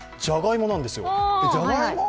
じゃがいもなんですよ。